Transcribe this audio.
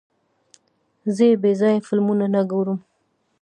زه بېځایه فلمونه نه ګورم.